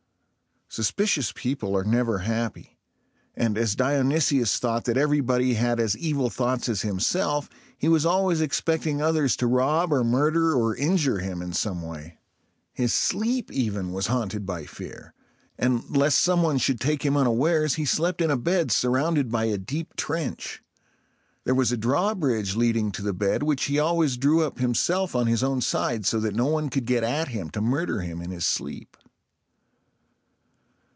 Suspicious people are never happy; and, as Dionysius thought that everybody had as evil thoughts as himself, he was always expecting others to rob or murder or injure him in some way. His sleep, even, was haunted by fear; and, lest some one should take him unawares, he slept in a bed surrounded by a deep trench. There was a drawbridge leading to the bed, which he always drew up himself on his own side, so that no one could get at him to murder him in his sleep.